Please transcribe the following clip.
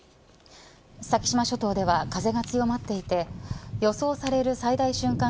先島諸島では風が強まっていて予想される最大瞬間